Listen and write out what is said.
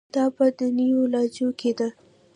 دا په دنیوي لانجو کې ده.